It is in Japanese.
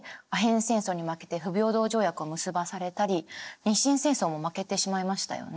戦争に負けて不平等条約を結ばされたり日清戦争も負けてしまいましたよね。